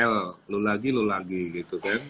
empat l lu lagi lu lagi gitu kan